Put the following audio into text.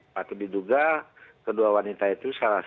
patut diduga kedua wanita itu